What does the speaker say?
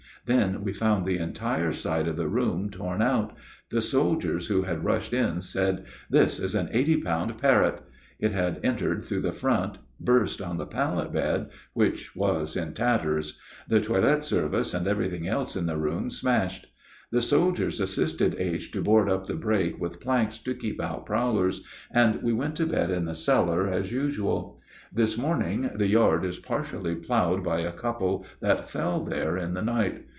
Then we found the entire side of the room torn out. The soldiers who had rushed in said, "This is an eighty pound Parrott." It had entered through the front, burst on the pallet bed, which was in tatters; the toilet service and everything else in the room smashed. The soldiers assisted H. to board up the break with planks to keep out prowlers, and we went to bed in the cellar as usual. This morning the yard is partially plowed by a couple that fell there in the night.